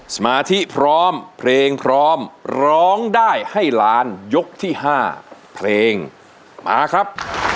สมาธิพร้อมเพลงพร้อมร้องได้ให้ล้านยกที่๕เพลงมาครับ